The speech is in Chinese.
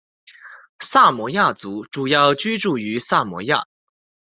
萨摩亚族主要居住于萨摩亚。